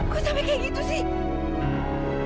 kok sampai kayak gitu sih